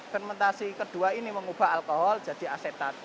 fermentasi kedua ini mengubah alkohol jadi asetat